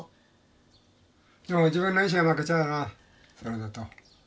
でも自分の意志が負けちゃうよなそれだと。